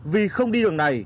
vì không đi đường này